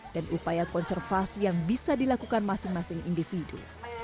dan upaya konservasi yang bisa dilakukan masing masing individu